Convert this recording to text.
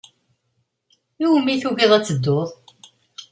Iwimi tugiḍ ad tedduḍ?